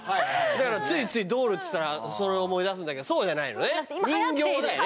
だからついついドールつったらそれを思い出すんだけどそうじゃないのね人形だよね